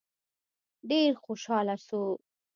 ډېر خوشحاله شو.